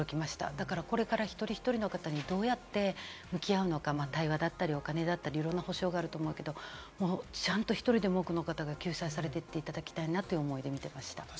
だから、これから一人一人の方にどうやって向き合うのか、対話だったり、お金だったり、いろんな補償があると思うけれども、ちゃんと１人でも多くの方が救済されていただきたいという思いで見ていました。